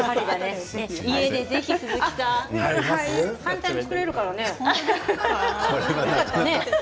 簡単に作れるからね。